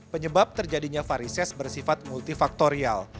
penyebab terjadinya varises bersifat multifaktorial